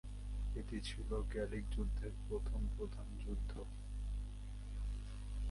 এটি ছিল গ্যালিক যুদ্ধের প্রথম প্রধান যুদ্ধ।